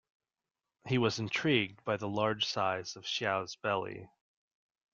He was intrigued by the large size of Xiao's belly.